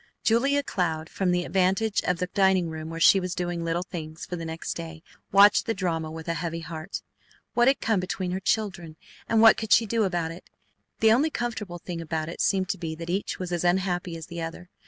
Julia Cloud, from the advantage of the dining room where she was doing little things, for the next day, watched the drama with a heavy heart. What had come between her children, and what could she do about it? The only comforting thing about it seemed to be that each was as unhappy as the other.